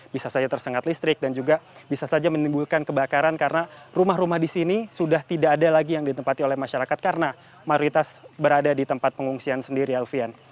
bisa saja tersengat listrik dan juga bisa saja menimbulkan kebakaran karena rumah rumah di sini sudah tidak ada lagi yang ditempati oleh masyarakat karena mayoritas berada di tempat pengungsian sendiri alfian